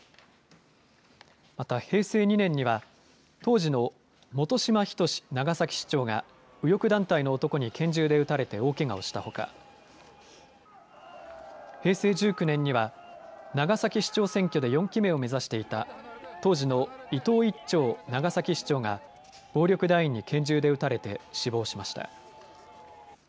また、平成２年には、当時の本島等長崎市長が、右翼団体の男に拳銃で撃たれて大けがをしたほか、平成１９年には、長崎市長選挙で４期目を目指していた当時の伊藤一長長崎市長が、暴力団員に拳銃で撃たれて死亡しました。